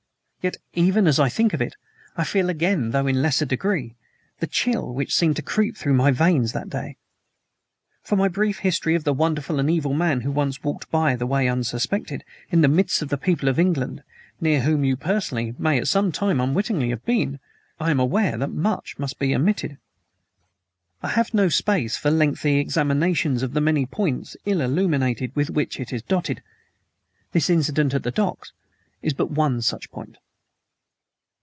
Yet, even as I think of it, I feel again, though in lesser degree, the chill which seemed to creep through my veins that day. From my brief history of the wonderful and evil man who once walked, by the way unsuspected, in the midst of the people of England near whom you, personally, may at some time unwittingly, have been I am aware that much must be omitted. I have no space for lengthy examinations of the many points but ill illuminated with which it is dotted. This incident at the docks is but one such point.